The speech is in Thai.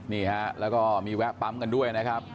นี่ฮะแล้วก็มีแวะปั๊มกันด้วยนะครับ